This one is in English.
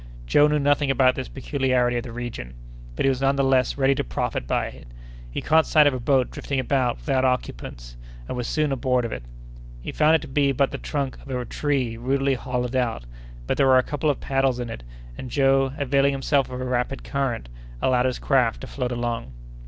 Joe knew nothing about this peculiarity of the region, but he was none the less ready to profit by it. He caught sight of a boat drifting about, without occupants, and was soon aboard of it. He found it to be but the trunk of a tree rudely hollowed out; but there were a couple of paddles in it, and Joe, availing himself of a rapid current, allowed his craft to float along.